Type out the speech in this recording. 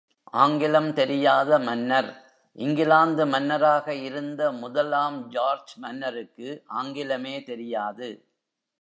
ஆங்கிலம் தெரியாத மன்னர் இங்கிலாந்து மன்னராக இருந்த முதலாம் ஜார்ஜ் மன்னருக்கு ஆங்கிலமே தெரியாது.